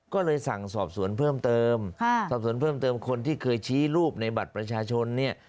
ก็เลยสั่งสอบสวนเพิ่มเติมสอบสวนเพิ่มเติมคนที่เคยชี้รูปในบัตรประชาชนเนี่ย